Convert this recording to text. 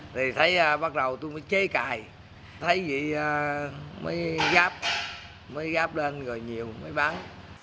thì thấy bắt đầu tôi mới chế cài thấy vị mới gáp mới gáp lên rồi nhiều mới bán